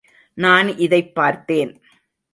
நான் இதைப் பார்த்தேன்.